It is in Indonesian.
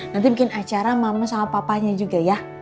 nanti bikin acara mama sama papanya juga ya